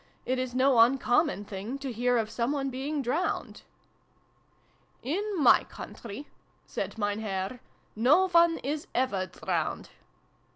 It is no uncommon thing to hear of some one being drowned" "In my country," said Mein Herr, "no one is ever drowned."